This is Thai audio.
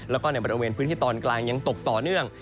แล้วก็ในบริเวณพื้นที่ตอนกลางยังตกต่อเนื่อง